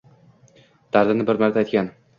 Dardini bir marta aytgan.